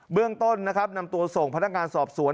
เรื่องต้นนะครับนำตัวส่งพนักงานสอบสวน